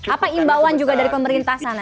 apa imbauan juga dari pemerintah sana